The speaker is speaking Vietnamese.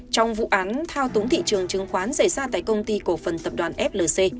trong vụ án thao túng thị trường chứng khoán xảy ra tại công ty cổ phần tập đoàn flc